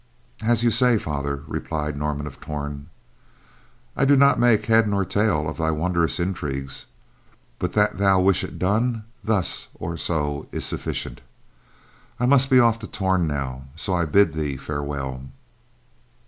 "As you say, Father," replied Norman of Torn. "I do not make head nor tail of thy wondrous intrigues, but that thou wish it done thus or so is sufficient. I must be off to Torn now, so I bid thee farewell."